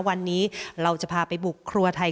วันนี้เราจะพาไปบุกครัวไทย